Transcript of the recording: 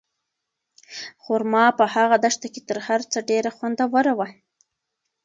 خورما په هغه دښته کې تر هر څه ډېره خوندوره وه.